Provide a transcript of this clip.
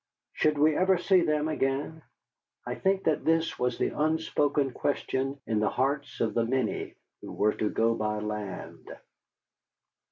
Should we ever see them again? I think that this was the unspoken question in the hearts of the many who were to go by land.